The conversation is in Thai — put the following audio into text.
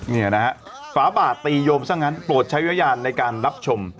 เนี่ยนะฮะฝาบาทตีโยมซะงั้นโปรดใช้วิญญาณในการรับชม